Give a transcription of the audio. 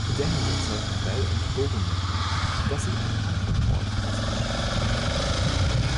Denny überzeugte Bell und Boren davon, dass sie einen anderen Ort auskundschaften müssten.